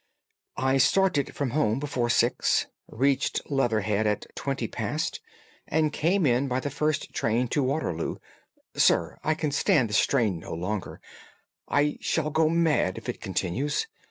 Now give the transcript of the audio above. "I started from home before six, reached Leatherhead at twenty past, and came in by the first train to Waterloo. Sir, I can stand this strain no longer; I shall go mad if it continues.